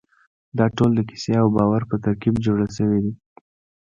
دا ټول د کیسې او باور په ترکیب جوړ شوي دي.